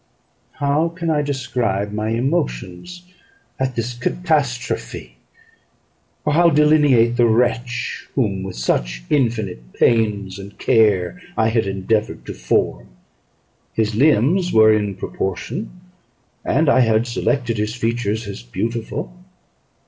_"] How can I describe my emotions at this catastrophe, or how delineate the wretch whom with such infinite pains and care I had endeavoured to form? His limbs were in proportion, and I had selected his features as beautiful.